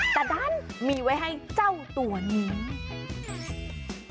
แต่ดันมีไว้ให้เจ้าตัวนี้